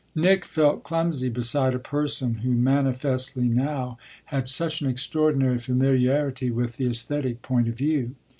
Nick felt clumsy beside a person who manifestly, now, had such an extraordinary familiarity with the esthetic point of view.